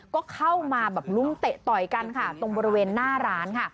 ก็เข้ามาลุ้งเตะต่อยกันตรงบริเวณหน้าร้าน